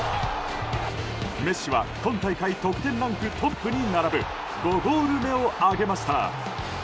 メッシは今大会得点ランクトップに並ぶ５ゴール目を挙げました。